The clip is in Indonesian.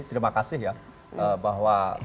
terima kasih ya bahwa